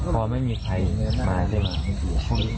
พอไม่มีใครมานี่นี่มานี่